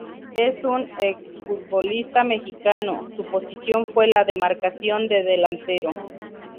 Es un ex-futbolista mexicano su posición fue la demarcación de delantero.